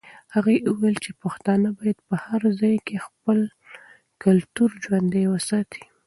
هغې وویل چې پښتانه باید په هر ځای کې خپل کلتور ژوندی وساتي.